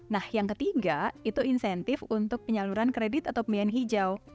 nah yang ketiga itu insentif untuk penyaluran kredit atau pembiayaan hijau